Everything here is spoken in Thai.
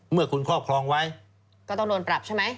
เมื่อคุณครอบครองไว้ก็ต้องโดนปรับใช่ไหม